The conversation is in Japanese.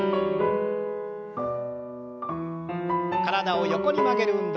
体を横に曲げる運動。